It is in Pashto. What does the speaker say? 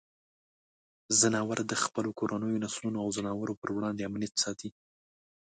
ځناور د خپلو کورنیو نسلونو او ځناورو پر وړاندې امنیت ساتي.